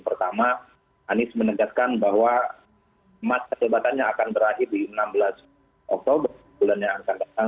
pertama anies menegaskan bahwa masa jabatannya akan berakhir di enam belas oktober bulan yang akan datang